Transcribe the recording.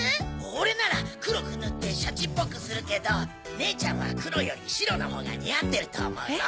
俺なら黒く塗ってシャチっぽくするけどねえちゃんは黒より白のほうが似合ってると思うぞ。